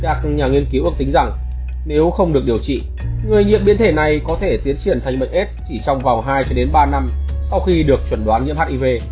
các nhà nghiên cứu ước tính rằng nếu không được điều trị người nhiễm biến thể này có thể tiến triển thành bệnh f chỉ trong vòng hai ba năm sau khi được chuẩn đoán nhiễm hiv